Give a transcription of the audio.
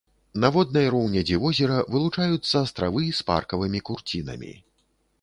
На воднай роўнядзі возера вылучаюцца астравы з паркавымі курцінамі.